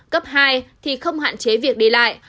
cấp hai thì không hạn chế việc đi lại